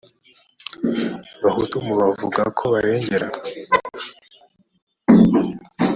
bahutu mu bavuga ko barengera